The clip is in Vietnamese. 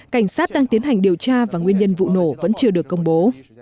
cảnh sát đang tiến hành điều tra và nguyên nhân vụ nổ vẫn chưa được công bố